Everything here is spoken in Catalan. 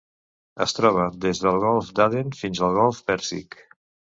Es troba des del Golf d'Aden fins al Golf Pèrsic.